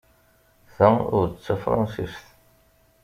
Ta ur d tafṛensist.